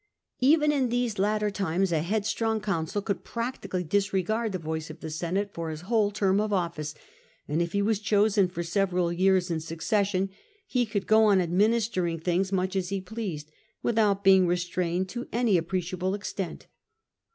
Even in these latter times a headstrong con sul could practically disregard the voice of the Senate for his whole term of office : and if he was chosen for several years in succession, he could go on administering thi gs much as he pleased, without being restrained to any appreciable extent.